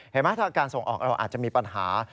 เห็นไหมถ้าการส่งออกเราอาจจะมีปัญหา